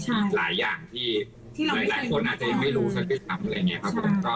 อีกหลายอย่างที่หลายคนอาจจะยังไม่รู้ซะด้วยซ้ำอะไรอย่างนี้ครับผม